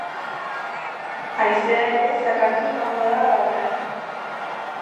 Haizea ere zakartuz joango da gauean.